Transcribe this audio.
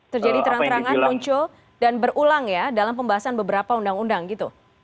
terjadi terang terangan muncul dan berulang ya dalam pembahasan beberapa undang undang gitu